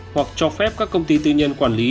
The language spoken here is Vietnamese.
hoặc cho phép các công ty tư nhân quản lý